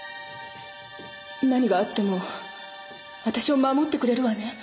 何があっても私を守ってくれるわね？